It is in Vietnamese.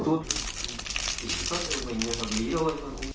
thứ nhất mình thẩm mỹ thôi